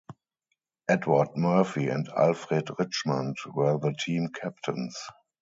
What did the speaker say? Edward Murphy and Alfred Richmond were the team captains.